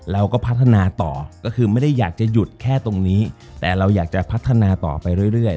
เราก็พัฒนาต่อก็คือไม่ได้อยากจะหยุดแค่ตรงนี้แต่เราอยากจะพัฒนาต่อไปเรื่อย